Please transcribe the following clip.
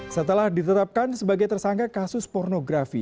setelah ditetapkan sebagai tersangka kasus pornografi